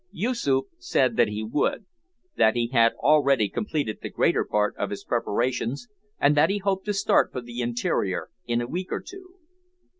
Yoosoof said that he would, that he had already completed the greater part of his preparations, and that he hoped to start for the interior in a week or two.